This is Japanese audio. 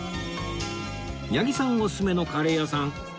八木さんおすすめのカレー屋さん楽しみ！